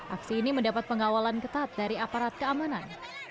aksi ini mendapat pengawalan ketat dari aparat keamanan